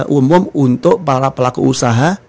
umum untuk para pelaku usaha